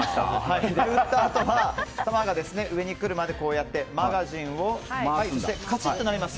撃ったあとは弾が上に来るまでマガジンを、回すとカチッと鳴ります。